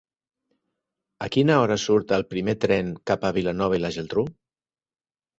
A quina hora surt el primer tren cap a Vilanova i la Geltrú?